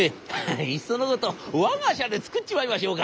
「いっそのことわが社で作っちまいましょうか。